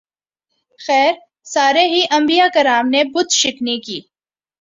خیر سارے ہی انبیاء کرام نے بت شکنی کی ۔